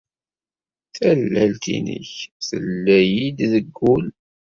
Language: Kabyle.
Tallalt-nnek tella-iyi-d deg wul.